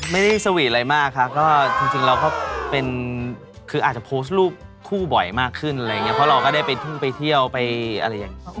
ไม่ได้สวีทอะไรมากค่ะก็จริงเราก็เป็นคืออาจจะโพสต์รูปคู่บ่อยมากขึ้นอะไรอย่างนี้เพราะเราก็ได้ไปทุ่งไปเที่ยวไปอะไรอย่างนี้